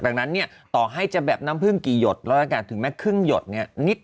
ดังนั้นเนี่ยต่อให้จะแบบน้ำผึ้งกี่หยดแล้วกันถึงแม้ครึ่งหยดเนี่ยนิด